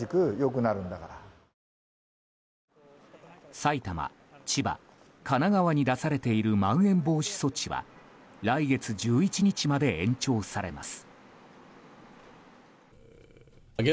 埼玉、千葉、神奈川に出されているまん延防止措置は来月１１日まで延長されます。